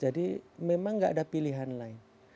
jadi memang tidak ada pilihan lain